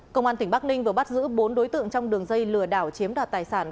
công an tỉnh bắc ninh vừa bắt giữ bốn đối tượng trong đường dây lừa đảo chiếm đoạt tài sản